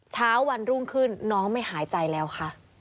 เช้าวันรุ่งขึ้นน้องไม่หายใจแล้วค่ะ